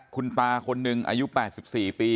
คุณตาคนหนึ่งอายุ๘๔ปี